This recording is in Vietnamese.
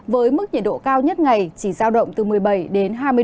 với mức nhiệt độ cao nhất ngày chỉ giao động từ một mươi bảy hai mươi độ